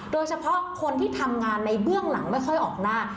โดยเฉพาะคนที่ทำงานในเบื้องหลังไม่ค่อยออกหน้า